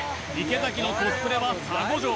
池崎のコスプレは沙悟浄